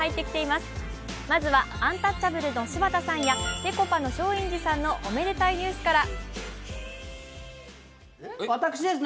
まずは、アンタッチャブルの柴田さんや、ぺこぱの松陰寺さんのおめでたいニュースから。